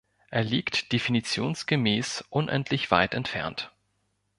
Er liegt definitionsgemäß unendlich weit entfernt.